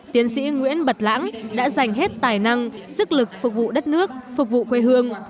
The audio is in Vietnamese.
tiến sĩ nguyễn bật lãng đã dành hết tài năng sức lực phục vụ đất nước phục vụ quê hương